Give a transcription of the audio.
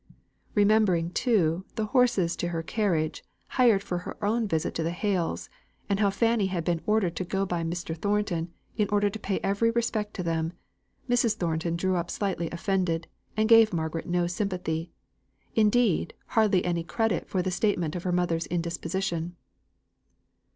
Remembering, too, the horses to her carriage, hired for her own visit to the Hales, and how Fanny had been ordered to go by Mr. Thornton, in order to pay every respect to them, Mrs. Thornton drew up slightly offended, and gave Margaret no sympathy indeed, hardly any credit for the statement of her mother's indisposition.